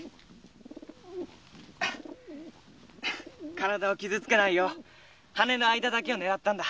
体を傷つけないように羽の間だけを狙ったんだ。